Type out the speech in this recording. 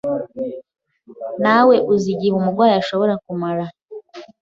Ntawe uzi igihe umurwayi ashobora kumara.